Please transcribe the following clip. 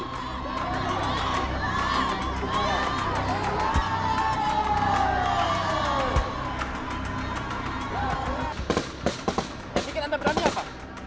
yang bikin anda berani apa